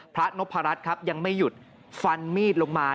นพรัชครับยังไม่หยุดฟันมีดลงมา